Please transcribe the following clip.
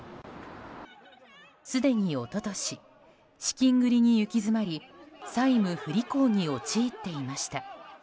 すでに一昨年資金繰りに行き詰まり債務不履行に陥っていました。